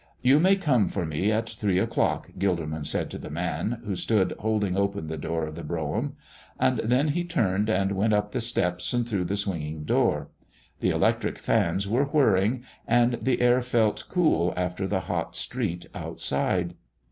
"You may come for me at three o'clock," Gilderman said to the man, who stood holding open the door of the brougham. And then he turned and went up the steps and through the swinging door. The electric fans were whirring, and the air felt cool after the hot street outside.